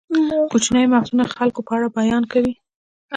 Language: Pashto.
کوچني مغزونه د خلکو په اړه بیان کوي.